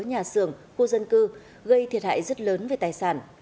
nhà xưởng khu dân cư gây thiệt hại rất lớn về tài sản